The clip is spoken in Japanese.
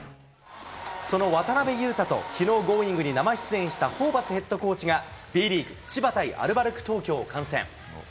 その渡邊雄太と、きのうＧｏｉｎｇ！に生出演したホーバスヘッドコーチが、Ｂリーグ、千葉対アルバルク東京を観戦。